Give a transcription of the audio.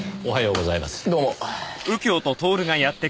おはようございます。